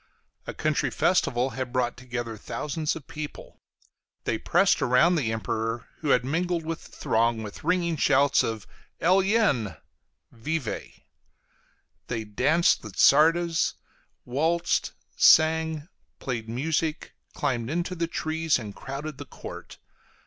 A country festival had brought together thousands of people; they pressed about the Emperor, who had mingled with the throng, with ringing shouts of "eljen" [vive]; they danced the csardas, waltzed, sang, played music, climbed into the trees, and crowded the court.